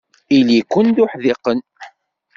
Ili-ken d uḥdiqen.